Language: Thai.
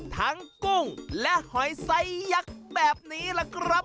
ทั้งกุ้งและหอยไสยักษ์แบบนี้แหละครับ